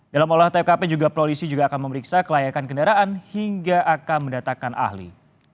dalam olah tkp juga polisi juga akan memeriksa kelayakan kendaraan hingga akan mendatangkan ahli